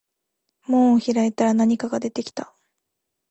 門を開いたら何か出てきた